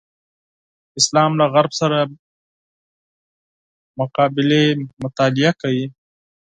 اسلام له غرب سره مقابلې مطالعه کوي.